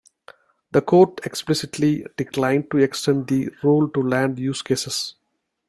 The court explicitly declined to extend the rule to land use cases.